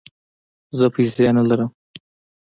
زه پیسې نه لرم